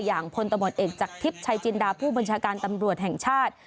พลตำรวจเอกจากทิพย์ชัยจินดาผู้บัญชาการตำรวจแห่งชาติ